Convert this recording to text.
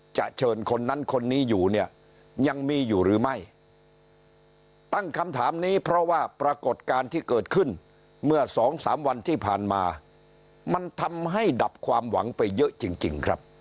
เชิญคนนั้นคนนี้อยู่เนี่ยยังมีอยู่หรือไม่ตั้งคำถามนี้เพราะว่าปรากฏการณ์ที่เกิดขึ้นเมื่อสองสามวันที่ผ่านมามันทำให้ดับความหวังไปเยอะจริงครับ